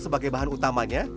sebagai bahan utamanya